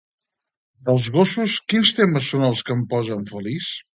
Dels Gossos quins temes són els que em posen feliç?